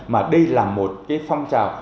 mà đây là một cái phong trào